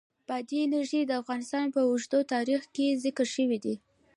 بادي انرژي د افغانستان په اوږده تاریخ کې ذکر شوی دی.